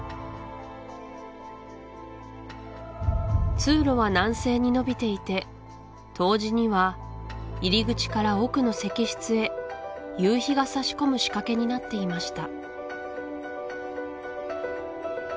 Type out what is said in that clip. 通路は南西にのびていて冬至には入り口から奥の石室へ夕日が差し込む仕掛けになっていました